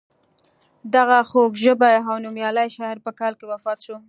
دغه خوږ ژبی او نومیالی شاعر په کال کې وفات شو.